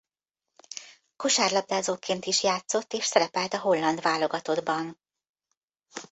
Kosárlabdázóként is játszott és szerepelt a holland válogatottban.